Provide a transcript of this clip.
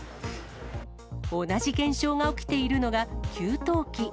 同じ現象が起きているのが、給湯器。